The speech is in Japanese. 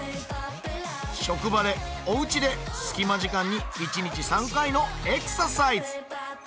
職場でおうちで隙間時間に一日３回のエクササイズ。